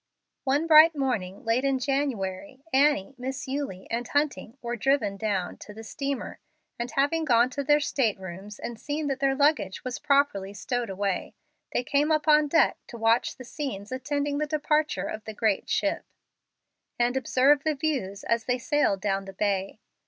One bright morning late in January, Annie, Miss Eulie, and Hunting were driven down, to the steamer, and having gone to their state rooms and seen that their luggage was properly stowed away, they came up on deck to watch the scenes attending the departure of the great ship, and observe the views as they sailed down the bay.